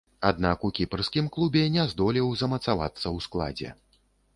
Аднак, у кіпрскім клубе не здолеў замацавацца ў складзе.